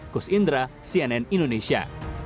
kus indra cnn indonesia